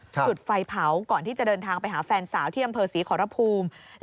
จุดไฟเผาก่อนที่จะเดินทางไปหาแฟนสาวที่อำเภอศรีขอรภูมิ